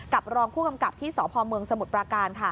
รองผู้กำกับที่สพเมืองสมุทรปราการ